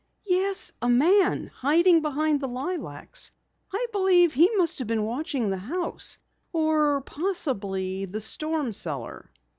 "Yes, a man, hiding behind the lilacs. I believe he must have been watching the house or possibly the storm cellar!"